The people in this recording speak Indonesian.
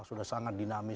sudah sangat dinamis